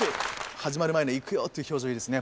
始まる前の「いくよ」っていう表情いいですね